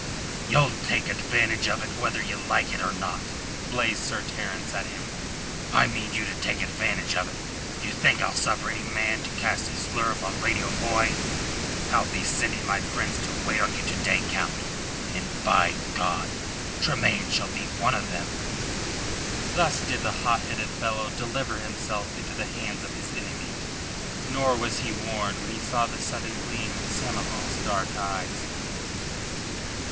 "Ye'll take advantage of it whether ye like it or not," blazed Sir Terence at him. "I mean you to take advantage of it. D' ye think I'll suffer any man to cast a slur upon Lady O'Moy? I'll be sending my friends to wait on you to day, Count; and by God! Tremayne himself shall be one of them." Thus did the hot headed fellow deliver himself into the hands of his enemy. Nor was he warned when he saw the sudden gleam in Samoval's dark eyes.